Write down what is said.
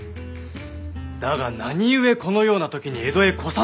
だが何故このようなときに江戸へ来させた？